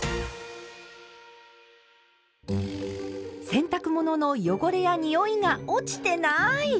洗濯物の汚れやにおいが落ちてない！